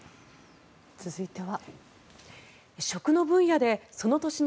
続いては。